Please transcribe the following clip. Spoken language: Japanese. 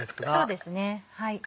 そうですね。